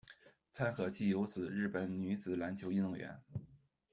参河纪久子，日本女子篮球运动员。